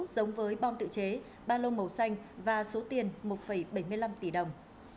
giống với bom tự chế ba lô màu xanh và số tiền một bảy mươi năm tỷ đồng